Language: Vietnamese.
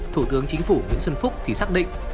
thủ tướng chính phủ nguyễn xuân phúc thì xác định